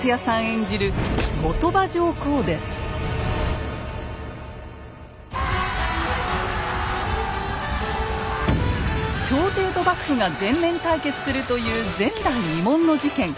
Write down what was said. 演じる朝廷と幕府が全面対決するという前代未聞の事件